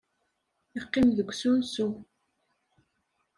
Yeqqim deg usensu.